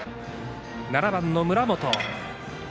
７番の村本。